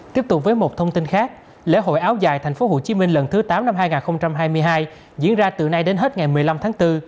tiếp tục với một thông tin khác lễ hội áo dài tp hcm lần thứ tám năm hai nghìn hai mươi hai diễn ra từ nay đến hết ngày một mươi năm tháng bốn